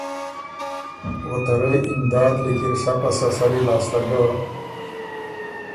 او ته رئ امداد لیکی ر سَۀ پسۀ سری لاسته ګۀ